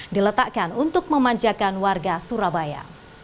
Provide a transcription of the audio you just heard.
diletakkan untuk memanjakan warga surabaya